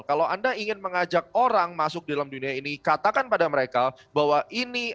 kalau anda ingin mengajak orang masuk dalam dunia ini katakan pada mereka bahwa ini